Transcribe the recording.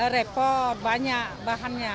repot banyak bahannya